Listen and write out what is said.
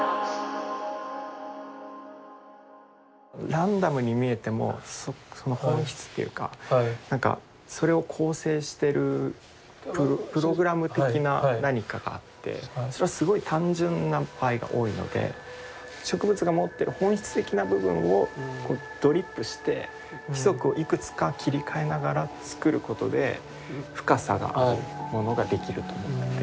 ランダムに見えてもその本質っていうかなんかそれを構成してるプログラム的な何かがあってそれはすごい単純な場合が多いので植物が持ってる本質的な部分をこうドリップして規則をいくつか切り替えながら作ることで深さがあるものができると思ってて。